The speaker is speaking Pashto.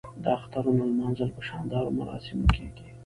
د اخترونو لمانځل په شاندارو مراسمو کیږي.